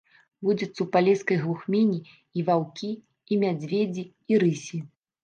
Водзяцца ў палескай глухмені і ваўкі, і мядзведзі, і рысі.